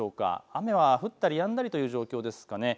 雨は降ったりやんだりという状況ですかね。